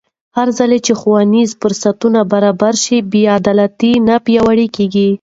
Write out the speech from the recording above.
هرځل چې ښوونیز فرصتونه برابر شي، بې عدالتي نه پیاوړې کېږي.